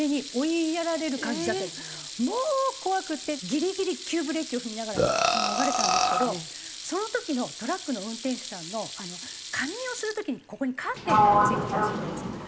ギリギリ急ブレーキを踏みながら逃れたんですけどその時のトラックの運転手さんの仮眠をする時にここにカーテンが付いてたりするじゃないですか。